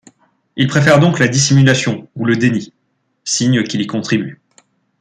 Il préfère donc la dissimulation ou le déni, signe qu'il y contribue.